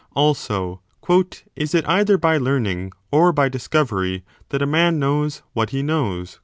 Also, Is it either by learning or by dis covery that a man knows what he knows